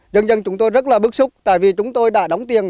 dân dân chúng tôi rất là bức xúc tại vì chúng tôi đã đóng tiền